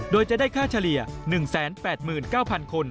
โดยจะได้ค่าเฉลี่ย๑๘๙๐๐คน